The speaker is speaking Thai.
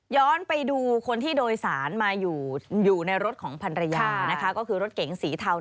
ย้อนไปดูคนที่โดยศาลมาอยู่อยู่ในรถของพรรยาคือรถเก่งสีเทา